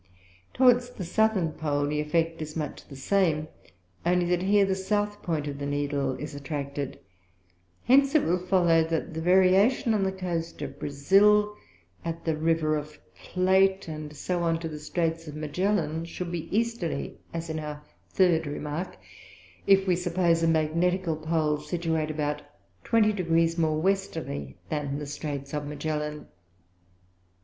Towards the Southern Pole the effect is much the same, only that here the South Point of the Needle is attracted. Hence it will follow, that the Variation on the Coast of Brazile, at the River of Plate, and so on to the Straights of Magellan, should be Easterly (as in our third Remark); if we suppose a Magnetical Pole situate about twenty Degrees more Westerly than the Straights of Magellan.